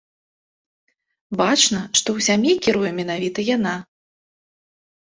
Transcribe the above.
Бачна, што ў сям'і кіруе менавіта яна.